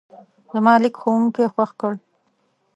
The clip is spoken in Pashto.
زما لیک ښوونکی خوښ کړ.